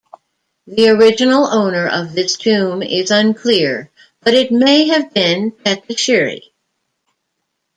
The original owner of this tomb is unclear, but it may have been Tetisheri.